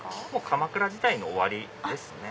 鎌倉時代の終わりですね。